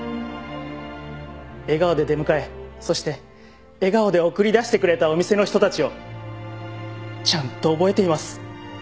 笑顔で出迎えそして笑顔で送り出してくれたお店の人たちをちゃんと覚えています。